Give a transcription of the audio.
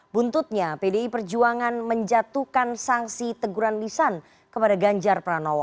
buntutnya pdi perjuangan menjatuhkan sanksi teguran lisan kepada ganjar pranowo